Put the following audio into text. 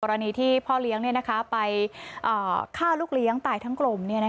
กรณีที่พ่อเลี้ยงไปฆ่าลูกเลี้ยงตายทั้งกลม